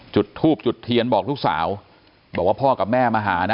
จุดทูบจุดเทียนบอกลูกสาวบอกว่าพ่อกับแม่มาหานะ